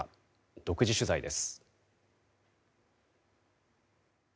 独自取材です。